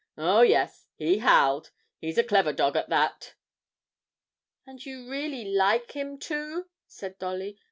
'Oh, yes he howled; he's a clever dog at that.' 'And you really like him to?' said Dolly.